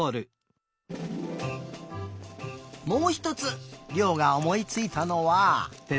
もうひとつりょうがおもいついたのは。